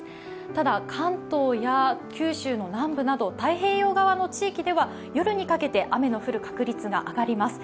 ただ、関東や九州の南部など太平洋側の地域では夜にかけて雨の降る確率が上がります。